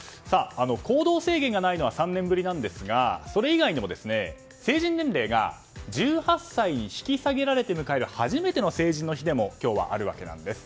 行動制限がないのは３年ぶりなんですがそれ以外にも成人年齢が１８歳に引き下げられて迎える初めての成人の日でも今日は、あるわけです。